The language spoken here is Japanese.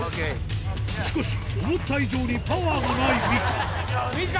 しかし思った以上にパワーがないミカミカ！